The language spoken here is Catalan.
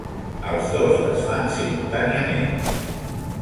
Els dos es fan simultàniament.